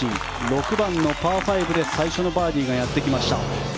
６番のパー５で最初のバーディーがやってきました。